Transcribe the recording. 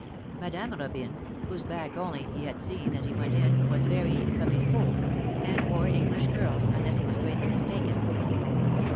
Madame Robine, whose back only he had seen as he went in, was very comme il faut,^ and wore English curls, unless he was greatly mistaken.